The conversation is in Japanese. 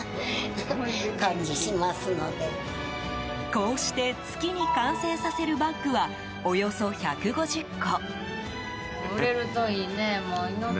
こうして月に完成させるバッグはおよそ１５０個。